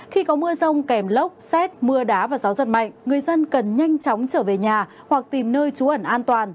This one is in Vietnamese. khi có mưa rông kèm lốc xét mưa đá và gió giật mạnh người dân cần nhanh chóng trở về nhà hoặc tìm nơi trú ẩn an toàn